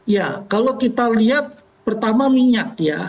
ya kalau kita lihat pertama minyak ya